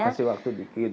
kasih waktu dikit